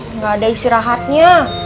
enggak ada istirahatnya